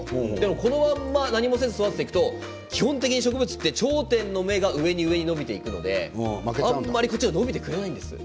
このまま何もせずに育てていくと基本的に植物の芽が頂点の芽が上に上に伸びていくのであまり脇芽は伸びてくれないんです。